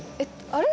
あれ？